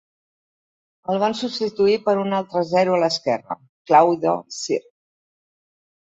El van substituir per un altre zero a l'esquerra, Claude Cyr.